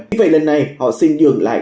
vì vậy lần này họ xin nhường lại